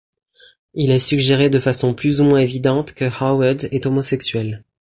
Il est suggéré de façon plus ou moins évidente que Howard est homosexuel...